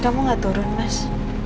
kamu gak turun mas